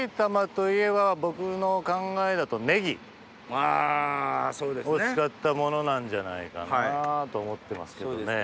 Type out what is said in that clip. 僕の考えだと。を使ったものなんじゃないかなと思ってますけどね。